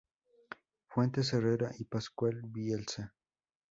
Fuentes Herrera y Pascual Bielsa.